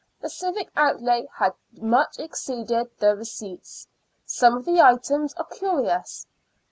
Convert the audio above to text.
The civic outlay had much exceeded the receipts. Some of the items are curious.